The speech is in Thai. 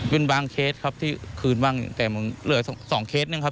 เป็นบางเคสครับที่คืนบ้างแต่มันเหลือ๒เคสหนึ่งครับ